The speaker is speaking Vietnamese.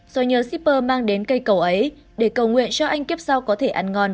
rồi nhờ shipper mang đến cây cầu ấy để cầu nguyện cho anh kiếp sau có thể ăn ngon